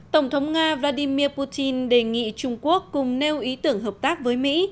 tổng thống nga vladimir putin đề nghị trung quốc cùng nêu ý tưởng hợp tác với mỹ